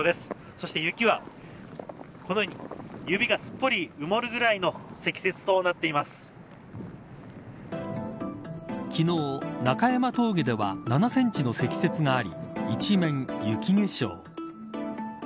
そして雪はこのように指がすっぽり埋もるぐらいの昨日、中山峠では７センチの積雪があり一面雪化粧。